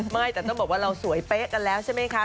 ไม่แต่ต้องบอกว่าเราสวยเป๊ะกันแล้วใช่ไหมคะ